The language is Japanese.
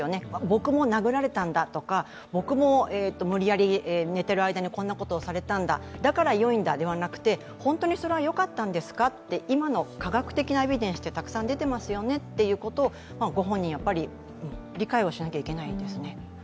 僕も殴られたんだとか僕も無理やり寝てる間にこんなことをされたんだだからよいんだではなくて本当にそれはよかったんですかと今の科学的なエビデンスがたくさん出ていますよねとご本人が理解をしないといけないですね。